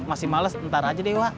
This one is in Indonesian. masih males ntar aja deh wak